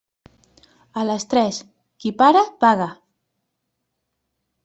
A les tres; qui para, paga.